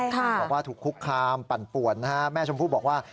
บอกว่าถูกคุกคามปั่นป่วนแม่ชมพู่บอกว่า